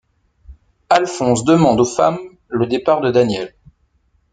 Alphonse demande aux femmes le départ de Daniel.